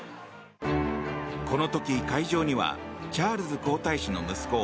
この時会場にはチャールズ皇太子の息子